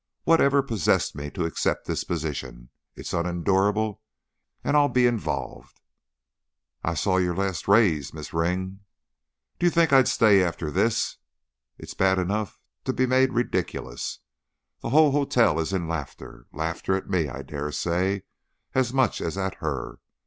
"What ever possessed me to accept this position? It's unendurable, and I'll be involved " "I've saw your last raise, Miz' Ring." "Do you think I'd stay, after this? It's bad enough to be made ridiculous the whole hotel is in laughter; laughter at me, I dare say, as much as at her.